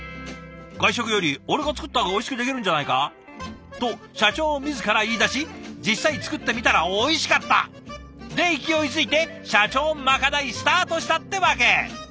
「外食より俺が作った方がおいしくできるんじゃないか？」と社長自ら言いだし実際作ってみたらおいしかった！で勢いづいて社長まかないスタートしたってわけ！